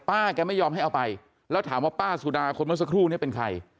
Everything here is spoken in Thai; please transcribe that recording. แกไม่ยอมให้เอาไปแล้วถามว่าป้าสุดาคนเมื่อสักครู่นี้เป็นใคร